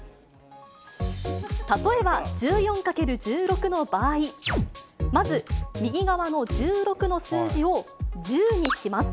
例えば１４×１６の場合、まず右側の１６の数字を１０にします。